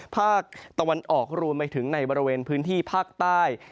ภาคตะวันออกรวมไปถึงในบริเวณพื้นที่ภาคใต้